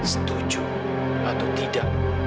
setuju atau tidak